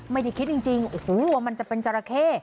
ไม่ได้คิดจริงโอ้โหมันจะเป็นจราเข้